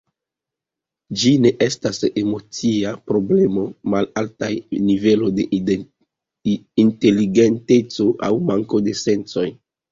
Ĝi ne estas emocia problemo, malalta nivelo de inteligenteco aŭ manko de sensoj.